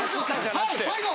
はい最後！